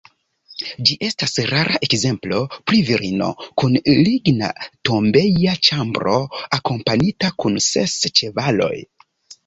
Ĝi estas rara ekzemplo pri virino kun ligna tombeja ĉambro, akompanita kun ses ĉevaloj.